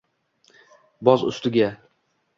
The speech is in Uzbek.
Boz ustiga